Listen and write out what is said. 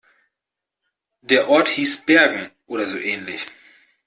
Der Ort hieß Bergen oder so ähnlich.